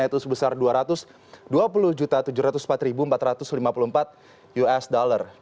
yaitu sebesar dua ratus dua puluh tujuh ratus empat empat ratus lima puluh empat usd